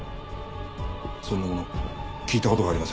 そんなもの聞いた事がありません。